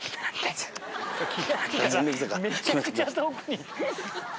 めちゃくちゃ遠くに。